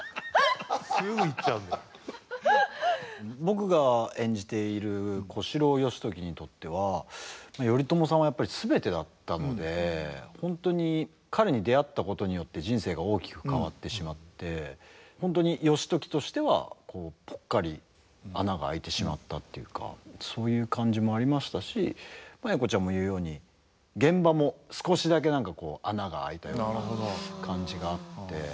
僕が演じている小四郎義時にとっては頼朝さんはやっぱり全てだったので本当に彼に出会ったことによって人生が大きく変わってしまって本当に義時としてはぽっかり穴があいてしまったっていうかそういう感じもありましたし栄子ちゃんも言うように現場も少しだけ何かこう穴があいたような感じがあって。